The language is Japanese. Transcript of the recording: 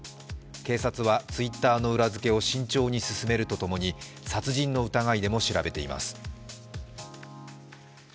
警察はＴｗｉｔｔｅｒの裏づけを慎重に進めると共に殺人の疑いでも調べています。